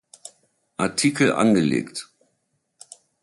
Artikel angelegt.